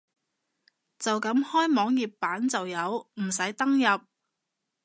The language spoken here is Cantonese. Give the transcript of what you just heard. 就咁開網頁版就有，唔使登入